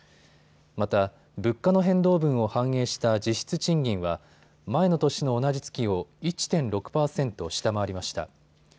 また、物価の変動分を反映した実質賃金は前の年の同じ月を１．６％下回りました。